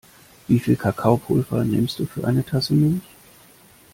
Wie viel Kakaopulver nimmst du für eine Tasse Milch?